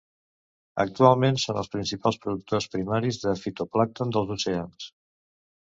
Actualment són els principals productors primaris del fitoplàncton dels oceans.